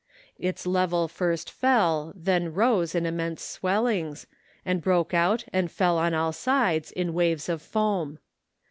Its level first fell, then rose in immense swellings, and broke out and fell on all sides in waves of foam.